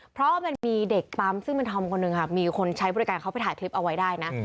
เพราะว่ามันมีเด็กปั๊มซึ่งเป็นธอมคนหนึ่งค่ะมีคนใช้บริการเขาไปถ่ายคลิปเอาไว้ได้นะ